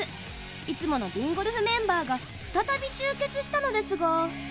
いつものＢＩＮＧＯＬＦメンバーが再び集結したのですが。